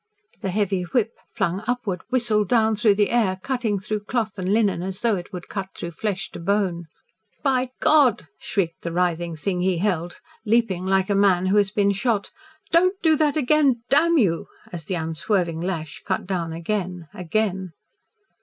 The heavy whip, flung upward, whistled down through the air, cutting through cloth and linen as though it would cut through flesh to bone. "By God!" shrieked the writhing thing he held, leaping like a man who has been shot. "Don't do that again! DAMN you!" as the unswerving lash cut down again again.